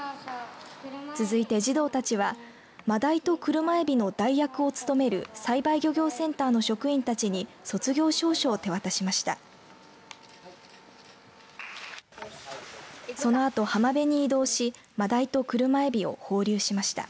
続いて、児童たちはマダイとクルマエビの代役を務める栽培漁業センターの職員たちに卒業証書を手渡しました。